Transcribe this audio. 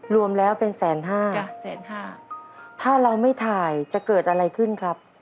รวมแล้วเป็นแสนห้าแสนห้าถ้าเราไม่ถ่ายจะเกิดอะไรขึ้นครับ